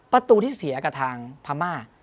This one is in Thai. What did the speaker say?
ประตูที่เสียกับทางพม่า